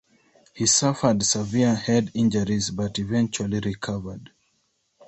He suffered severe head injuries but eventually recovered.